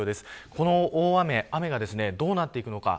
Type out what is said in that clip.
この大雨がどうなっていくのか。